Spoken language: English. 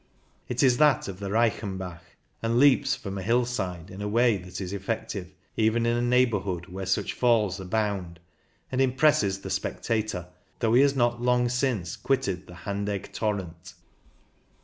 It is that of the Reichenbach, and leaps from a hillside in a way that is effec tive even in a neighbourhood where such falls abound, and impresses the spectator though he has not long since quitted the Handegg torrent.